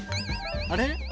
あれ？